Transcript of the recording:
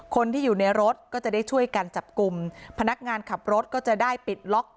คนที่อยู่ในรถก็จะได้ช่วยกันจับกลุ่มพนักงานขับรถก็จะได้ปิดล็อก